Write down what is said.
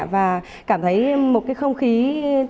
và cảm thấy một không khí rất vui vẻ